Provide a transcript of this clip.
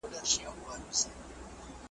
ما د جهاني په لاس امېل درته پېیلی وو .